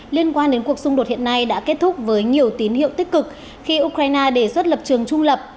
liên quan đến cuộc xung đột hiện nay đã kết thúc với nhiều tín hiệu tích cực khi ukraine đề xuất lập trường trung lập